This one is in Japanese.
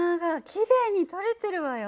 きれいに撮れてるわよ。